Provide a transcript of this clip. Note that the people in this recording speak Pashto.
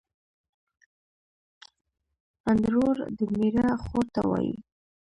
اندرور دمېړه خور ته وايي